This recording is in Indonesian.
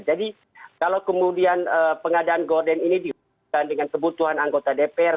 jadi kalau kemudian pengadaan gorden ini dihubungkan dengan kebutuhan anggota dpr